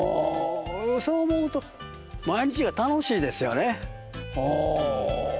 そう思うと毎日が楽しいですよね。